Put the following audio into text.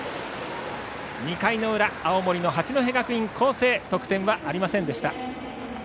２回の裏、青森の八戸学院光星得点はありませんでした。